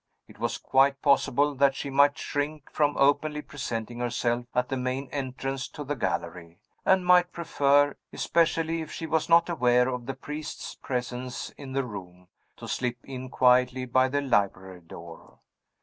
It was quite possible that she might shrink from openly presenting herself at the main entrance to the gallery, and might prefer especially if she was not aware of the priest's presence in the room to slip in quietly by the library door.